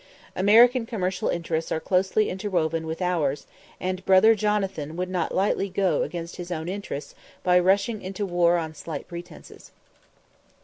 American commercial interests are closely interwoven with ours, and "Brother Jonathan" would not lightly go against his own interests by rushing into war on slight pretences.